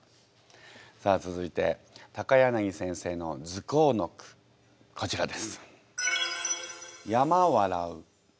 さあ続いて柳先生の「ズコー」の句こちらです。